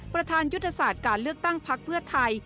ประธานยุทธศาสตร์การเลือกตั้งพักเพื่อไทย